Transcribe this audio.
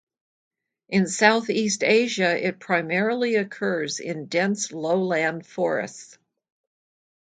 In Southeast Asia it primarily occurs in dense lowland forests.